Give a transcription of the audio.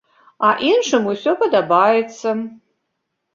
А іншым усё падабаецца.